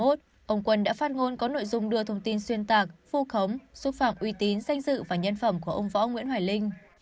ông quân đã phát ngôn có nội dung đưa thông tin xuyên tạc phu khống xúc phạm uy tín danh dự và nhân phẩm của ông võ nguyễn hoài linh